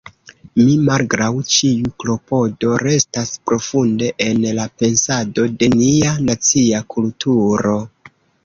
Mi malgraŭ ĉiu klopodo restas profunde en la pensado de nia nacia kulturo.